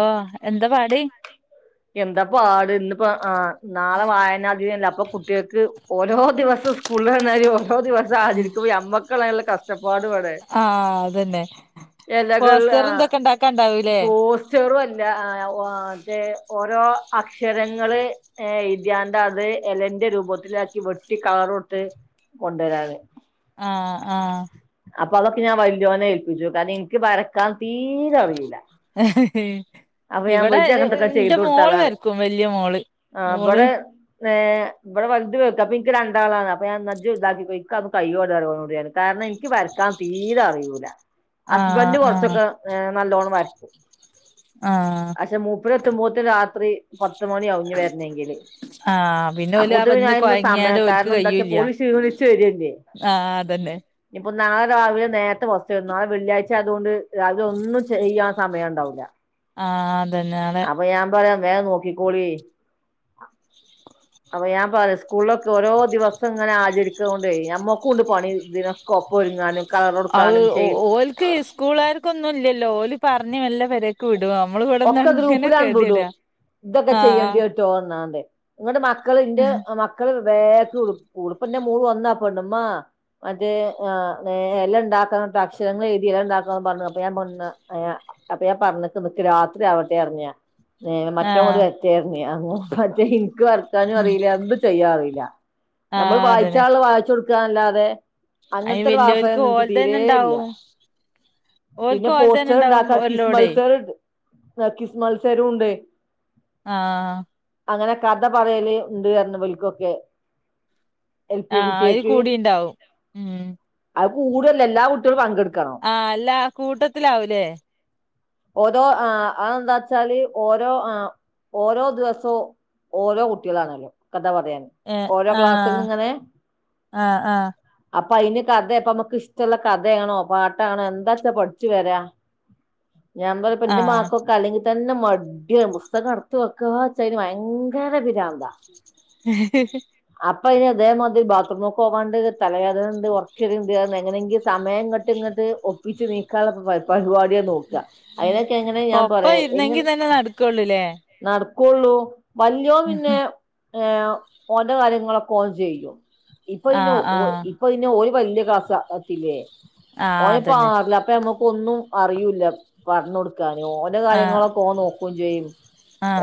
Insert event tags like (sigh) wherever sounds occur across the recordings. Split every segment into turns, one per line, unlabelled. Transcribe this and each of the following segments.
ഓ എന്താ പാട്
എന്താപാട് ഇന്നിപ്പോ ആ നാളെ വായന ദിനല്ലേ അപ്പൊ കുട്ടിയോൾക്ക് ഓരോ ദിവസം സ്കൂളന്ന് വന്നാലും ഒരു ദിവസം സാഹ ചരിക്കുല ഞമ്മക്കളല്ല കഷ്ടപ്പാട ഇവിടെ
ആ അതന്നെ
എലകൾ ആ
പോസ്റ്ററും ഇതൊക്കെ ഇണ്ടാക്കാണ്ടാവൂലേ
പോസ്- ചെറുമല്ല ആ ഓഅത്ഓരോ അക്ഷരങ്ങള് ഏ എഴുതിയണ്ടേ അത് എലന്റെ രൂപത്തിലാക്കി വെട്ടി കളർ കൊടുത്ത് കൊണ്ടുവരാന്
ആഹ് ആഹ്.
അപ്പൊ അതൊക്കെ ഞാൻ വല്ലിയോനെ ഏൽപ്പിച്ചു കാര്ണം ഇൻക്ക് വരക്കാൻ തീരെ അറിയൂലാ.
ഇവടെ
അങ്ങനത്തൊക്കെ
ഇന്റെ
ചെയ്ത്
മോള്
കൊടുത്താളാ
വര്ക്കും വല്ല്യ മോള് മോള്
ഏഹ് ഇവടെ വൽത് (unintelligible) അപ്പിൻക്ക് രണ്ടാളാണ് അപ്പ ഞാൻ ന്ന ഇജ്ജ്‌ ഇതാക്കിപ്പോയി ഇക്ക് അതൊന്നും കൈയ്യൂലാറിയാ ഓനോട്‌ ഞാന്. കാര്ണം ഇൻക്ക് വരയ്ക്കാൻ തീര അറിയൂല
ആഹ്
ഹസ്ബൻഡ്
ആഹ്
കൊർച്ചൊക്കെ ഏഹ് നല്ലോണം വര്ക്കും.
ആഹ്.
പക്ഷെ മുപ്പര് എത്തുമ്പോത്തിന് രാത്രി പത്ത്മണി ആവും ഞ്ഞി വര്നങ്കില്.
ആഹ് പിന്നെ ഓല് ആ
അപ്പോത്തിന്
വന്ന്
(unintelligible)
കൊഴങ്ങിയാണ്ട്
സമയം
ഓൽക്ക്
കാര്ണം എന്താച്ചാ
കയ്യൂല്ല
പോല് ക്ഷീണിച്ച് വേര്ല്ലേ.
ആഹ് അതന്നെ.
ഞ്ഞിപ്പൊ ന്നാളെ രാവിലെ നേര്ത്തെ ബസ്സ്‌രും ന്നാളെ വെള്ളിയാഴ്ച ആയതോണ്ട് രാവിലെ ഒന്നും ചെയ്യാൻ സമയംണ്ടാവൂലാ.
ആഹ്. അതന്നെ ആടെ
അപ്പൊ ഞാം പറയാ വേം നോക്കിക്കോളീ. അപ്പൊ ഞാം പറയാ സ്കൂൾലൊക്കെ ഓരോ ദിവസം ഇങ്ങനെ ആചരിക്ക് ആവൊണ്ടേയ് ഞമ്മക്കുണ്ട് പണി ഇതിന് കൊപ്പൊര്ങ്ങാനും കളറൊട്ക്കാനും ഷെയ്ഡ്
കൂളെര്ക്കൊന്നും ഇല്ലല്ലോ ഓല് പർഞ്ഞ് മേല്ല പെരേ ക്ക് വ്ടും ന്നമ്മള്
ഒക്കെ
ഇവട്ന്നങ്ങനെ
ഗ്രൂപ്പിലാണ്
കതിട്ആ ആഹ് ആഹ്.
ചോർന്നാതെ ന്ന്ട്ട് മക്കള് ഇൻ്റെ മ ക്കള് (unintelligible) പ്പെന്റെ മോള് വന്നാ ആ പെണ്ണ് മ്മാ മറ്റേ ആഹ് ഏ എല്ലാംണ്ടാക്കണട്ടാ അക്ഷരങ്ങള് എഴ്തി അഅ്‌ ണ്ടാക്കണം പർഞ്ഞു അപ്പൊ ഞാൻ പർഞ് ഏഹ് അപ്പൊ ഞാം പർഞ്ക്ക് ന്ന്ക്ക് രാ ത്രി ആവട്ടെ അർഞ്ഞു ഞാ ഏഹ് മറ്റൊങ്ങട്
ആഹ്
വര്റ്റേ അർഞ്ഞു ഞാം മറ്റേ ഇൻക്ക് വര് ക്കാനും അറീലാ എന്ത് ചെയ്യാ അറീലാ ഞമ്മള്
ആഹ് അതന്നെ
വായിച്ചാള്ളഅ്‌ വായിച്ചോട്ക്കാ ന്നല്ലാതെ
അയിന്
അങ്ങൻത്തെരു
വല്യോൽക്ക്
വാസനന്നും ഇൻക്ക് തീരേ
ഓൽതന്നെ
ഇല്ല്യ.
ഇണ്ടാവും ഓൽക്ക്
പിന്നെ
ഓൽതന്നെ ഉണ്ടാവും
പോസ്റ്ററ്ണ്ടാക്കാ
ഓലോടെ
കിസ്മത്സരൻണ്ട് കിസ് മത്സരുണ്ട്.
ആഹ്.
അങ്ങനെ കഥ പറയല് അ്‌ണ്ട് അർഞ്ഞു ബൽകൊക്കെ.
ആഹ് അയ്‌ കൂടിണ്ടാവും ഉം.
അഅ്‌ കൂട്ല്ല എല്ലാ കുട്ട്യാളും പങ്കട്ക്കണം.
ആഹ് അല്ലാ കൂട്ടത്തിലാവുലേ.
ദോ ആഹ് അതന്താച്ചാല് ഓരോ ആഹ് ഓരോ ദിവസവും ഓരോ കുട്ട്യാളാണല്ലോ കഥ പറയാൻ
ഏഹ്
ഓരോ ക്ലാസ്സിന്ന്
ആഹ്
ഇങ്ങനെ
ആഹ് ആഹ്
അപ്പൊ അയ്ന് കഥേ പ്പമ്മക്ക് ഇഷ്ടള്ള കഥേണോ പാട്ടാണ് എന്താച്ചാ പട്ച്ചു വരാ. ഞാം മ്പ പ്പന്റെ
ആഹ്
മകക്കെക്കേ അല്ലെങ്കി തന്നെ മടിയാ ബുസ്തകം അട്ത്ത് വെക്ക്ആച്ചയ്ന് വയങ്കര പിരാ അപ്പൊ അയ്ന് തേ മാതിരി ബാത്റൂമ്ക്കോവാണ്ട് തലവേദനണ്ട് ഒർക്കെര്ണ്ട്ർഞ് എങ്ങനെങ്കി സാ വേം ഇങ്ങട്ട് ഇങ്ങട്ട് ഒപ്പിച്ച് നീക്കാള്ള പര് പര് വാടിയാ നോക്ക്ആ. അയ്‌നൊക്കെ എങ്ങനെ ഞാം
ഒപ്പം
പറയാ എങ്ങ
ഇരുന്നെങ്കി തന്നെ നടക്കൊള്ളൂല്ലേ
ന്നട്ക്കോള്ളൂ വല്ല്യോൻ
ആഹ്
പിന്നെ ഏഹ് ഓന്റെ കാര്യങ്ങളൊക്കെ ഓൻ ചെയ്യും ഇപ്പൊ പിന്നെ ഓ ഇ
ആഹ്
ഇപ്പൊ പിന്നെ ഓന് വല്ല്യ ക്‌ളാസ ത്തില്ലേ
ആഹ് അതന്നെ
ഓന്പാർലാ അപ്പ ഞമ്മ ഒന്നും അറിയൂല്ല പർഞൊട് ക്കാന് ഓൻ്റെ
ആഹ്
കാര്യങ്ങളൊക്കെ ഓം നോക്കും ചെയ്യും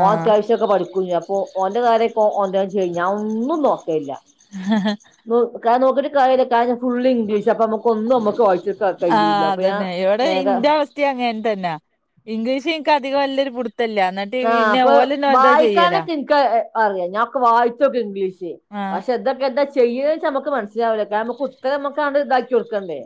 ഓം അത്യാവശ്യ ച്ചൊക്കെ പഠിക്കും ചെ അപ്പോ ഒന്റെ കാര്യം ഓ ഓൻ തന്നെ ചെയ്യും ഞാൻ ഒന്നും നോക്കലില്ലാ.
(unintelligible)
നോ കാ നോക്കീട്ട് കാര്യില്ല കാര്യം ഫുള്ള് ഇംഗ്ലീഷ് ക്ഷ അപ്പ നമ്മുക്കൊന്നും നമ്മുക്ക് വായിചെട്ക്കാൻ കഴിയൂല അപ്പ ഞാൻ നേര
റ്റ അങ്ങൻതന്നാ ഇംഗ്ലീഷ് എൻക്ക് അധികം വല്ലൃരു പിടുത്തില്ല എന്ന
ആ അപ്പൊ വായിക്കാനൊക്കെ ഇൻ ക്ക് അറിയാ ഞാൻ ഒക്ക വായിച്ചോക്കീ ഇംഗ്ലീഷ്
ആഹ്
പക്ഷെ എന്തൊക്കെന്താ ചെയ്യേന്ന് വെച്ചാ നമ്മക്ക് മനസിലാവില്ല കാർണം നമുക്ക് ഉത്തരം നമക്കാണ്ട് ഇതാക്കി കൊടുക്കണ്ടേ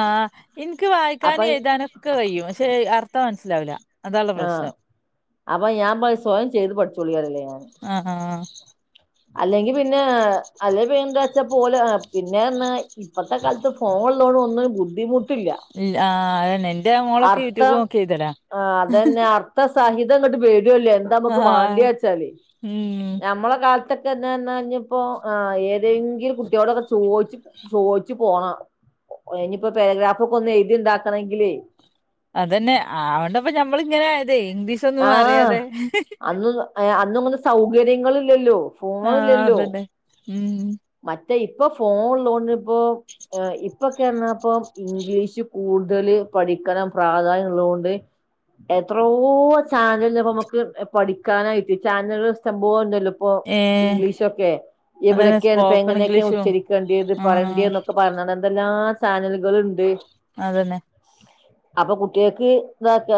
ആഹ് എനിക്ക്
അപ്പൊ
വായിക്കാനും എഴുതാനൊക്കെ കയ്യും പക്ഷെ അർത്ഥം മനസ്സിലാവില്ല അതാള്ള
ആഹ്
പ്രശ്നം
അപ്പൊ ഞാൻ പയും സ്വയം ചെയ്ത് പഠിച്ചോളീ പറയും ഞാന്
ആഹാ
അല്ലെങ്കി പിന്നെ അല്ലെ പിന്നേച്ച പോവല് പിന്നെന്നാ ഇപ്പത്തെ കാലത്ത് ഫോണ്ള്ളോണ്ട് ഒന്നിനും ബുദ്ധിമുട്ടില്ല
ആഹ് അയെന്നെ എന്റെ മോളൊക്കെ
അർത്ഥം
യൂട്യൂബോക്കി എഴ്തല്ലെ
പ്പ സഹിതം ഇങ്ങട്ട് വെരൂല്ലേ എന്താ നമക്ക്
ആഹ്
വാണ്ടിയ വെച്ചാല്
ഉം
ഞമ്മളെ കാല ക്കക്കെന്താ പർഞ്ഞാ ഇനി ഇപ്പോ ആ ഏതെങ്കിലും കുട്ടിയോടൊക്കെ ചോയ്ച്ച് ചോയ്ച്ച് പോണം ഇനിയിപ്പോ പാരഗ്രാഫൊക്കെ ഒന്ന് എഴുതി ഒണ്ടാക്കണെങ്കിലേ
അതന്നെ ആവണ്ടപ്പോ ഞമ്മള് ഇങ്ങനെ ആയതെ ഇംഗ്ലീഷൊന്നും അറിയാതെ
അന്നുത ആ അന്നൊന്നും സൗകര്യങ്ങളില്ലല്ലോ
ആഹ്
ഫോണില്ലല്ലോ
അബ്ഡെ ഉം
മറ്റേ ഇപ്പൊ ഫോഒള്ളോണ്ടിപ്പോ ഇപ്പ ക്കെന്നാപ്പൊ ഇംഗ്ലീഷ് കൂടുതല് പഠിക്കണം പ്രാധാന്യം ഉള്ളോണ്ട് എത്രോ ചാനല്ണ്ട് പ്പോ നമുക്ക് പഠിക്കാനായിട്ട് ചാനല്കള് ഇഷ്ട്ടംപോലിണ്ടല്ലോ പ്പോ
ഏഹ്
ഇംഗ്ലീഷൊക്കെ
അതന്നെ
എവിടേക്കെയാണ് ഇപ്പോ
സ്പോക്കൺ
എങ്ങനേക്കെയ
ഇംഗ്ലീഷും
ഉച്ചരിക്കേണ്ടത്
ആഹ്
പറയണ്ടേന്നൊക്കെ പറഞ്ഞത് എന്തെല്ലാം ചാനലുകള്ണ്ട്
അതന്നെ
അപ്പൊ കുട്ടിയൾക്ക് ഇതാക്ക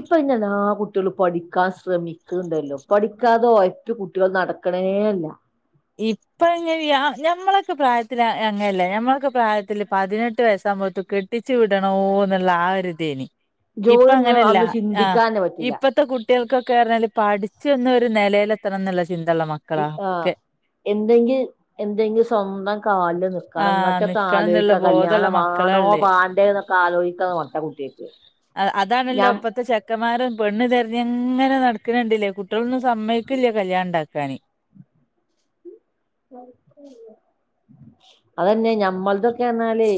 ഇപ്പൊ പിന്നെല്ലാ കുട്ട- ട്ടിയള് പഠിക്കാൻ ശ്രമിക്ക്ണ്ടല്ലോ പഠിക്കാതെ ഒയപ്പി കുട്ടിയൾ നടക്കണേല്ല
ഇപ്പഴ്ങ്ങനയ ഞമ്മളക്കെ പ്രായത്തില് അ അങ്ങല്ലേ ഞമ്മളൊക്കെ പ്രായത്തില് പതിനെട്ട് വയസ്സാവുംമ്പത്ത്ക്ക് കെട്ട് - ട്ടിച്ചു വിടണോന്നൊള്ള ആഹ് ഒരു ഇദേനി ഇപ്പ
ജോലി
അങ്ങനല്ല
അന്ന്
ആഹ്
ചിന്തിക്കാനേ പറ്റൂല
ഇപ്പത്തെ കുട്ട്- കുട്ടിയാൾക്കൊക്കേന്ന് പറഞ്ഞാൽ പഠിച്ചന്നെ ഒരു നെലയിലെത്തണംന്ന്ള്ള ചിന്തെള്ള മക്ക-
ആഹ് എന്തെങ്കി എന്തെങ്കിൽ സ്വന്തം കാലിൽ നിക്കണം
ആഹ്
ഇങ്ങട്ടൊക്കെ
നിക്കണം എന്നുള്ള
ആലോയ്ക്ക
ബോധമുള്ള
കല്യാണം
മക്കളാ
വാണോ
ഉള്ളേ
വാ ണ്ടേന്നൊക്കെ ആലോയ്ക്കുന്ന മട്ട കുട്ട്യാക്ക്
അതാണല്ലോ ഇപ്പത്തെ ചെക്കന്മാരും പെണ്ണ് തെരഞ്ഞനെ ഇങ്ങന നടക്കണണ്ടില്ലേ കുട്ട്യാളൊന്നും സമയ്ക്കൂല്ല കല്യാണം ഇണ്ടാക്കാന്
അതന്നെ ഞമ്മൾതൊക്കേർന്നാല്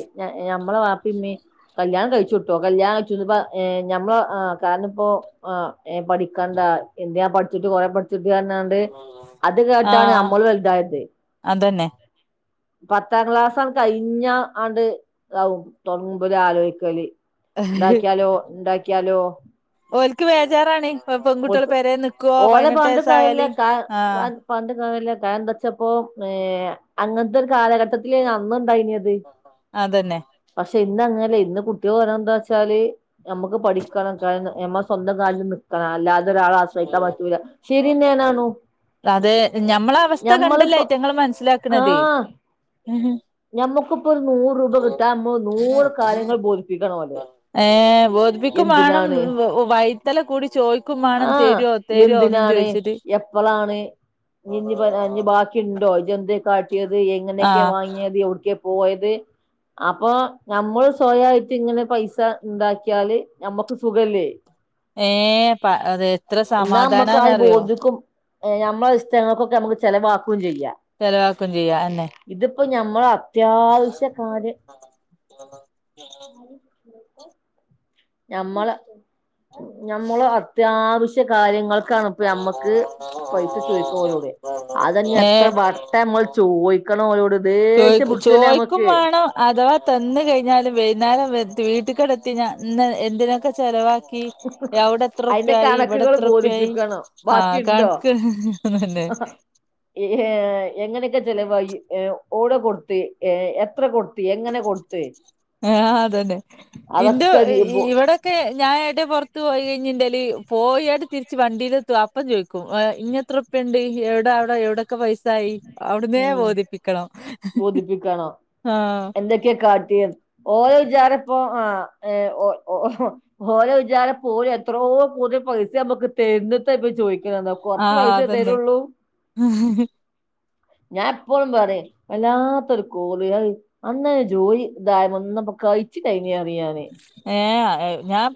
ഞമ്മളെ വാപ്പീം ഉമ്മേം കല്യാണം കഴിച്ചൂട്ടോ കല്യാണം കഴിച്ചു ഇനിപ്പ ഏഹ് ഞമ്മള ആഹ് കാർണിപ്പൊ ആഹ് ഏഹ് പഠിക്കണ്ടാ എന്തിനാ പഠിച്ചിട്ട് കൊറെ പഠിച്ചിട്ട് പർഞ്ഞാ ണ്ട് അത് കേട്ടാണ്
ആഹ്
നമ്മള് വലുതായത്
അതന്നെ
പത്താം ക്ലാസ്സങ്ങ് കഴിഞ്ഞ ആണ്ട് താവും തൊട്ങ്ങും ഇബരാലോയ്ക്കല് ഇണ്ടാക്കിയാലോ ഇണ്ടാക്കിയാലോ
ഓൽക്ക് വേജാറാണ് പെൺകുട്ടിയള്
ഓൽക്ക്
പെരേ നിക്കോ പയിനെട്ട് വയസ്സായല് ആഹ്
പർഞ്ഞിട്ട് കാര്യല്ല കാരണം എന്താ ച്ചപ്പോ ഏ അങ്ങൻത്തെ ഒരു കാലഘട്ട ത്തിലേനി അന്ന് ഇണ്ടായിനത്
അതന്നെ
പക്ഷെ ഇന്ന് അങ്ങനല്ല ഇന്ന് കുട്ടികൾ പറയണന്താച്ചാല് നമ്മക്ക് പഠിക്കണം കാരണം ഞമ്മൾ സ്വന്തം കാലില് നിക്കണം അല്ലാതെ ഒരാളെ ആശ്രയിക്കാൻ പറ്റൂല്ല ശരിന്നെ ആണാനും
അതെ ഞമ്മളെ അവസ്ഥ കണ്ടല്ലേ അയ്റ്റങ്ങള് മൻസ്സിലാക്ക്ണത് ഹ് ഹും
ഞമ്മക്കിപ്പൊ ഒരു നൂറ് രൂപ കിട്ടാ നമ്മള് നൂറ് കാര്യങ്ങൾ ബോധിപ്പിക്കണം ഓലെ
ഏ ബോധിപ്പിക്കും വാണം
എന്തിനാണ്
വൈത്തലേ കൂടി ചോയ്ക്കും മാണം. തരോ തരോന്നും ചോയ്ച്ചിട്ട്
അപ്പളാണ് ഇഞ്ഞ് ഇഞ്ഞ് ബ ആ ഇഞ്ഞ് ബാക്കിണ്ടോ ഇജന്തേ കാട്ടിയത് എങ്ങനെയക്കെ
ആഹ്
വാങ്ങിയ യൗട്ക്കെ പോയത് അപ്പൊ നമ്മള് സ്വയ ആയിട്ട് ഇങ്ങനെ പൈസ ഇണ്ടാക്കിയാല് നമ്മക്ക് സുഖല്ലേ?
ഏഹ് പ്പ അത് എത്ര സമാധാനാന്ന് അറിയോ.
ഏ നമ്മളെ ഇഷ്ടങ്ങൾക്കൊക്കെ നമ്മക്ക് ചെലവാക്കും ചെയ്യാ.
ചെലവാക്കും ചെയ്യാ അഹന്നെ.
ഇത്പ്പോ ഞമ്മള അത്യാവശ്യ കാര്യം
(unintelligible)
നമ്മള നമ്മള് അത്യാവശ്യ കാര്യങ്ങൾ ക്കാണ് ഇപ്പ നമ്മക്ക് പൈസ ചോയ്ക്കും ഓലോട് അതന്നെ എത്ര
ഏഹ്
വട്ട നമ്മൾ ചോയ് ക്കണോലോട്
ചോയ്
ദേഷ്യം പിടിച്ചല്ലോ
ചോയ്ക്കും
നമ്മക്ക്
വേണം അഥവാ തന്ന് കഴിഞ്ഞാലും വൈന്നേരം വെത്ത് വീട്ട്ക്കടത്തിഞ്ഞ ഇന്ന് എന്തിനൊക്കെ ചെലവാക്കി
അതിന്റെ
എഒടെത്രറുപ്പായി
കണക്കുകള്
ഇവിടെത്രറുപ്പായി
ബോധിപ്പിക്കണം
ആഹ്
ബാക്കിയുണ്ടോ
കണക്ക് തന്നെ (inaudible)
ഏഹ് എങ്ങനെയക്കെ ചെലവായി എ എവിടെ കൊടുത്ത് എ എത്ര കൊടുത്ത് എങ്ങനെ കൊടുത്ത്
ആഹ് അതന്നെ ഇന്റെ
അതൊക്കെ
ഇ ഇ ഇവടെ ക്കെ ഞാൻ എവിടെ പൊറത്ത് പോയി കഴിഞ്ഞൻ്റേല് പോയിക്കാട്ട് തിരിച്ച് വണ്ടിയിൽ എത്തും അപ്പം ചോദിക്കും ഇഞ്ഞ് എത്ര റുപ്യണ്ട് എവിടാ അവടെ എവിടെക്കെ പൈസ ആയി
ഉം ബോധിപ്പിക്കണം
ആഹ്
എന്തക്കെ കാട്ടിയേ. ഓല വിചാരപ്പോ ആഹ് ഏഹ് ഓഹ് (unintelligible) ഓല വിചാരം ഇപ്പോല് എത്രോ പുതിയ പൈസ നമ്മുക്ക് തന്ന്ട്ട് ഇപ്പ ചോദിക്ക്ണന്ന
ആ അതെന്നെ
ഞാൻ എപ്പളും പറയും വല്ലാത്തൊരു കോറി അഹ് അന്നേ ജോലി (unintelligible) ഒന്ന്പ്പോ കഴിച്ച് കഴ്ഞ്ഞറിയാനെ
ഏഹ് അഹ്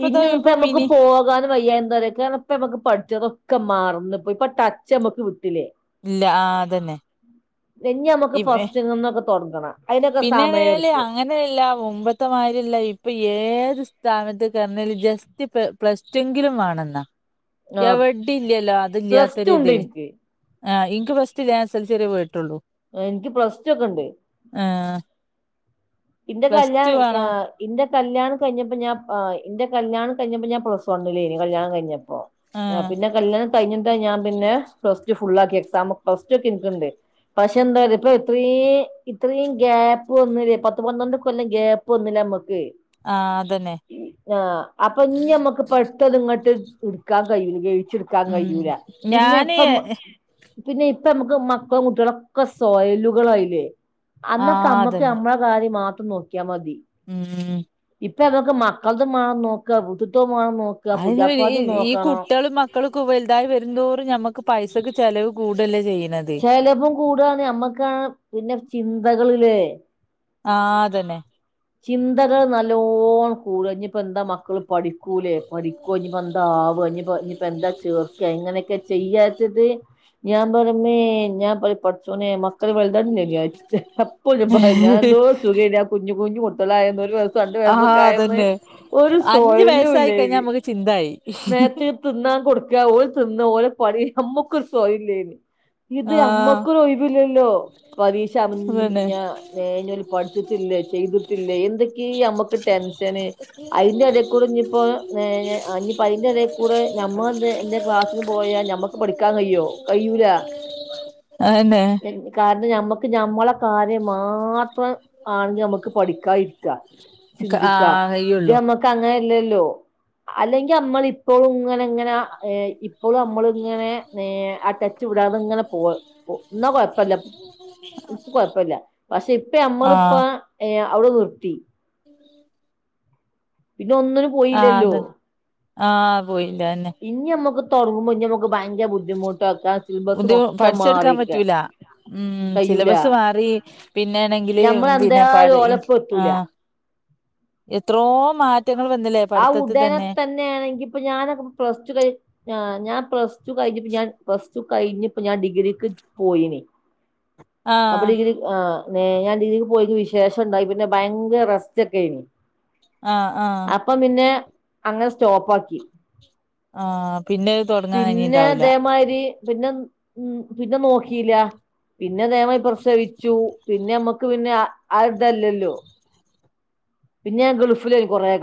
ഇഞ്ഞ്ന്ന്പ്പേ നന്മക്ക് പോകാൻ വയ്യാ എന്താറിയോ (unintelligible) നമ്മുക്ക് പഠിച്ചതൊക്കെ മർന്ന് ഇപ്പ ഇപ്പൊ ടച്ച് നമ്മക്ക് വിട്ടിലേ.
ഇല്ല ആഹ് അതന്നെ
ഇഞ്ഞി നമ്മക്ക് ഫസ്റ്റ്ങ്ങ്ന്നൊക്കെ തൊട്ങ്ങണം. അയിൻ്റെക്കെ സമയം എടുക്കും
ഇന്ന് ഇല്ല മുമ്പത്തെമാരില്ല ഇപ്പ ഏത് സ്ഥാനത്ത് കർഞ്ഞലും ജെസ് റ്റ് പ്ല പ്ലസ് ടു എങ്കിലും വേണെന്നാ
ആ
എവിടെ ഇല്ലല്ലോ
പ്ലസ് ടു ഉണ്ട്
അതില്ലാത്തരുതേ
എനിക്ക്
ആ ഇൻക്ക് പ്ലസ് ടു ഇല്ല ഞാൻ എസ് എൽ സി വരെ പോയിട്ടുള്ളു.
എനിക്ക് പ്ലസ് ടു ഒക്കെ ഇണ്ട്
ആഹ്
ഇൻ്റെ
പ്ലസ് ടു
കല്യാണായി
വേണം
(unintelligible) ഇന്റെ കല്യാണം കഴിഞ്ഞപ്പ ഞാൻ ആ ഇൻ്റെ കല്യാണം കഴിഞ്ഞപ്പ ഞാൻ പ്ലസ് വൺലേനി കല്യാണം കഴിഞ്ഞ ഓ ഞാ
ആഹ്
പിന്നെ കല്യാണം കഴിഞ്ഞി ട്ടെ ഞാൻ പിന്നെ പ്ലസ് ടു ഫുൾ ആക്കി എക്സാം പ്ലസ് ടു ഒക്കെ എനിക്കിണ്ട് പക്ഷെ എന്താറിയോ ഇപ്പൊ ഇത്രേം ഇത്രയും ഗ്യാപ്പ് വന്നില്ലെ. പത് പത്ത് പന്ത്രണ്ട് കൊല്ലം ഗ്യാപ്പ് വന്നില്ലേ അമ്മക്ക്
ആഹ് അതന്നെ
ആഹ് അപ്പൊ ഇഞ്ഞി അമ്മക്ക് പെട്ടന്ന് ഇങ്ങട്ട് എടുക്കാൻ കഴൂല്ല കഴിച്ചെടുക്കാൻ
ഉം
കഴിയൂല്ല പിന്നെ
ഞാന്
ഇപ്പം പിന്നെ ഇപ്പ നമ്മുക്ക് മക്കളും കുട്ടികളൊക്കെ സൊയലുകളായില്ലേ അന്നൊക്കെ
ആഹ്
അമ്മക്ക്
അതന്നെ
അമ്മള ളെ കാര്യം മാത്രം നോക്കിയാ മതി
ഉം
ഇപ്പൊ ഇതെക്കെ മക്കളതും മാ നോക്കുക ബുദ്ധുത്തോ മാണം നോക്
അതിനിവര് ഈ ഈ കുട്ട്യാളും മ ക്കൾക്കു വലുതായി വരുന്തോറും ഞമ്മക്ക് പൈസക്ക് ചെലവ് കൂടുവല്ലേ ചെയ്യണത്
ചെലേപ്പം കൂടാന്ന് നമ്മക്കാണ് പിന്നെ ചിന്തകള് ലേ
ആഹ് അതന്നെ
ചിന്തകൾ നല്ലോണ്ണം കൂടാ ഇഞ്ഞിപ്പെന്താ മക്കള് പഠിക്കൂലേ പഠിക്കോ ഇനിപ്പെന്താ ആവുക ഇനിപ്പോ എന്താ ചേർക്കാ എങ്ങനെയൊക്കെ ചെയ്യാച്ചത് ഞാൻ പറമ്മേ ഞാൻ (unintelligible) ച്ചോനെ മക്കൾ വൽതാണ്ടേനുവിചാരിച്ച് എപ്പൊഴും പറയും ഞാൻന്തോ സുഗേനാ കുഞ്ഞ് കുഞ്ഞ് (unintelligible) രണ്ടു
ആഹ്
വയസൊക്കെ ആയന്ന്
അതന്നെ
ഒരു
അഞ്ചു
സ്വയലും
വയസ്സായി കഴിഞ്ഞാ
ഇല്ലായിന്.
നമുക്ക് ചിന്തായി
മേത്ത് തിന്നാൻ കൊടുക്ക ഓൽ തിന്ന് ഓലെ പണി നമ്മുക്ക് ഒരു സ്വയല്ലേര്ന്ന് ഇത്
ആഹ്
അമ്മക്ക് ഒര് ഒഴിവില്ലല്ലോ പരീക്ഷ അത്
അതന്നെ
(unintelligible) മനുവൽ പഠിച്ചിട്ടില്ലേ ചെയ്ത് ട്ടില്ലേ എന്തൊക്കേ അമ്മക്ക് ടെൻഷന് അയിന്റെ ഇടയിൽകൂടെ ഇഞ്ഞിപ്പോ (unintelligible) ആഹ് ഇഞ്ഞിപ്പോ അയിന്റെ ഇടക്കൂടെ ഞമ്മ എന്തേ എന്റെ ക്ലാസ്സിൽ പോയാൽ ഞമ്മക്ക് പഠിക്കാൻ കഴിയോ കഴിയൂ ല്ല
അതന്നെ
കാരണം ഞമ്മക്ക് ഞമ്മളെ കാര്യം മാത്രം ആണെങ്കിൽ നമ്മക്ക് പഠിക്കാ ഇരിക്ക ചിന്തിക്കാ
ആഹ്
ഇത്
കഴിയുള്ളൂ
നമ്മക്ക് അങ്ങനെ എല്ലല്ലോ അല്ലെങ്കിൽ നമ്മള് ഇപ്പോഴും ഇങ്ങനെ ഇങ്ങന ഇപ്പോഴും നമ്മളിങ്ങനെ ഇങ്ങനെ ആ ടെച്ച് വിടാതെ ഇങ്ങനെ പോവ്വ് പോ എന്നാ കൊഴപ്പല്ല ഇപ്പൊ കൊഴപ്പില്ല പക്ഷെ ഇപ്പ നമ്മളിപ്പോ
ആഹ്
ഏഹ് അവിടെ നിർത്തി പിന്ന ഒന്നിനും
ആഹ്
പോയില്ലല്ലോ
അതന്നെ ആഹ് പോയില്ല അതന്നെ.
ഇനി അമ്മക്ക് തുടങ്ങുമുൻ ന്നെ നമുക്ക് ഭയങ്കര ബുദ്ധിമുട്ടാക്ക സിലിബസ്
ബുദ്ധി
മെത്തം
പഠിച്ചെടുക്കാൻ
മാറീക്കാ
പറ്റൂല ഉം സിലബസ് മാറി പിന്നാണെങ്കില്
ഞമ്മൾ
പിന്നെ
എന്തായാലും
പഠി ഇ
ഓലപ്പം എത്തൂല
ആഹ് എത്രോ മാറ്റങ്ങൾ വന്നില്ലേ
ആ
പഠിത്തത്തിൽ
ഉടനെ
തന്നെ
തന്നെയാണെങ്കിപ്പോ ഞാനൊക്കെ ഇപ്പൊ പ്ലസ് ടു കഴിഞ്ഞ് ആഹ് ഞാൻ പ്ലസ് പ്ലസ് ടു കഴിഞ്ഞിപ്പോ ഞാൻ പ്ലസ് ടു കഴിഞ്ഞിപ്പോ ഞാൻ ഡിഗ്രിക്ക് പോയീന് അപ്പൾ
ആഹ്
ഡിഗ്രി ആഹ് ഞാൻ ഡിഗ്രിക്ക് പോയി വിശേഷമുണ്ടായി പിന്നെ ഭയങ്കര റെസ്റ്റ് ഒക്കെയേനി.
ആഹ് ആഹ്
അപ്പം പിന്നെ അങ്ങനെ സ്റ്റോപ്പ് ആക്കി.
ആഹ് പിന്നെ തൊടങ്ങാൻ
പിന്നെ
കഴിഞ്ഞിണ്ടാവൂല
ഇതേമാരി പിന്നെ ഉം പിന്നെ നോക്കീല്ല. പിന്നെ ഇതാമായി പ്രസവിച്ചു പിന്നെ നമ്മുക്ക് പിന്നെ ആ ആ ഇതല്ലല്ലോ. പിന്നെ ഞാൻ ഗൾഫിലേനും കുറെ